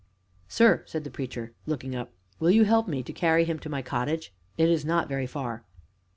"Sir," said the Preacher, looking up, "will you help me to carry him to my cottage? It is not very far."